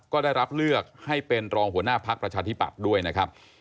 ก็ได้รับเลือกให้เป็นรองหัวหน้าพักประชาธิปัตย์ด้วยนะครับ